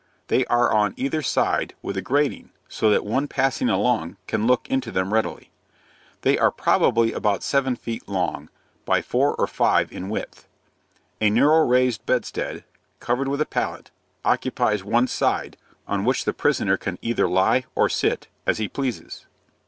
They are on either side, with a grating, so that one passing along can look into them readily. They are probably about seven feet long, by four or five in width. A narrow raised bedstead, covered with a pallet, occupies one side, on which the prisoner can either lie or sit, as he pleases.